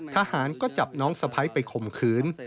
ทหารก็จับน้องสะพ้ายไปข่มขืน